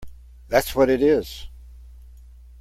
That’s what it is!